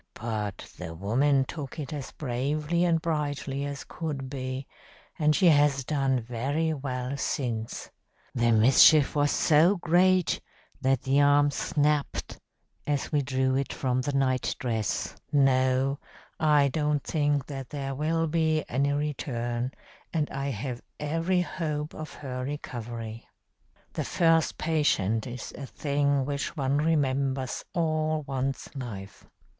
But the woman took it as bravely and brightly as could be, and she has done very well since. The mischief was so great that the arm snapped as we drew it from the night dress. No, I don't think that there will be any return, and I have every hope of her recovery. "The first patient is a thing which one remembers all one's life.